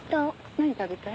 何食べたい？